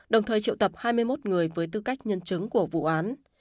đồng thời triệu tập hai mươi một người với tư cách nhân chứng của vụ án